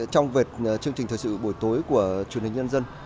trong chương trình thời sự buổi tối của truyền hình nhân dân